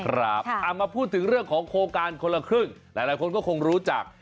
มาพูดถึงเรื่องของโครงการคนละครึ่งหลายคนก็คงรู้จัก